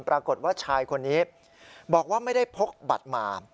ปรากฏว่าชายคนนี้บอกว่าไม่ได้พกบัตรมา